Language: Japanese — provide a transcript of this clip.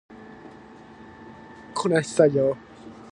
こなし作業